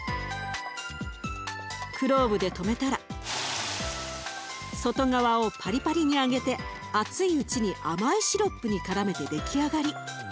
クローブで留めたら外側をパリパリに揚げて熱いうちに甘いシロップにからめて出来上がり。